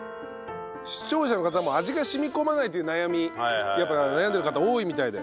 視聴者の方も味が染み込まないという悩みやっぱ悩んでる方多いみたいで。